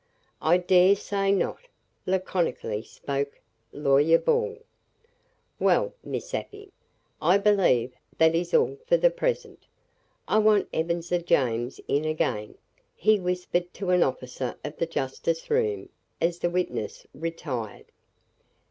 "I dare say not," laconically spoke Lawyer Ball. "Well, Miss Afy, I believe that is all for the present. I want Ebenezer James in again," he whispered to an officer of the justice room, as the witness retired.